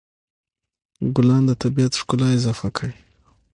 ګلان د طبیعت ښکلا اضافه کوي.